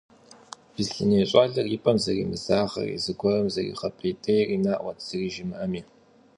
Беслъэней щӏалэр и пӀэм зэримызагъэри зыгуэрым зэригъэпӀейтейри наӀуэт, зыри жимыӀэми.